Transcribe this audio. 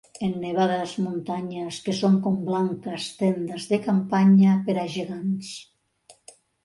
En nevades muntanyes que són com blanques tendes de campanya per a gegants.